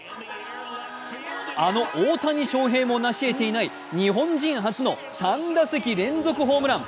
あの大谷翔平もなしえていない日本人初の３打席連続ホームラン。